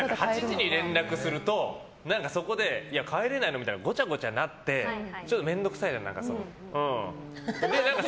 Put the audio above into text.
８時に連絡するとそこで帰れないのみたいにごちゃごちゃなって、ちょっと面倒くさいじゃないですか。